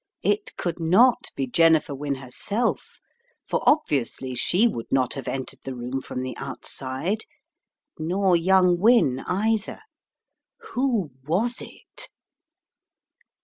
It could not be Jennifer Wynne her self, for obviously she would not have entered the room from the outside, nor young Wynne, either. Who was it?